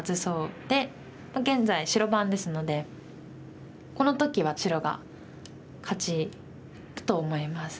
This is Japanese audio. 現在白番ですのでこの時は白が勝ちだと思います。